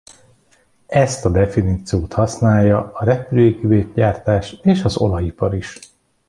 Ezt a definíciót használja a repülőgépgyártás és az olajipar is.